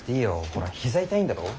ほら膝痛いんだろ？